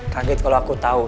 kaget kalau aku tau